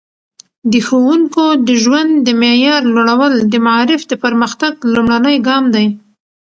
د ښوونکو د ژوند د معیار لوړول د معارف د پرمختګ لومړنی ګام دی.